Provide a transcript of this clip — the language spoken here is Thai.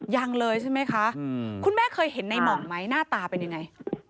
ยังเลยใช่ไหมคะคุณแม่เคยเห็นในหม่องไหมหน้าตาเป็นยังไง